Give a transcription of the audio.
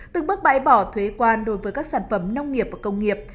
từng bước bãi bỏ thuế quan đối với các sản phẩm nông nghiệp và công nghiệp